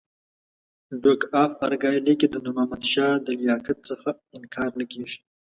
ډوک اف ارګایل لیکي د نور محمد شاه د لیاقت څخه انکار نه کېږي.